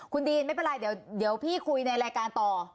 คุณดีนไม่เป็นไรเดี๋ยวพี่คุยในรายการต่อ